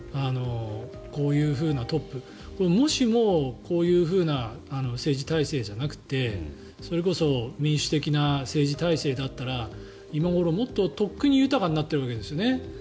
こういうトップ、もしもこういう政治体制じゃなくてそれこそ民主的な政治体制だったら今頃とっくに豊かになっているわけですよね。